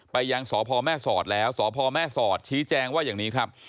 ยังสพแม่สอดแล้วสพแม่สอดชี้แจงว่าอย่างนี้ครับ